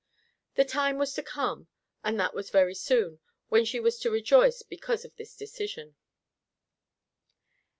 The time was to come, and that very soon, when she was to rejoice because of this decision.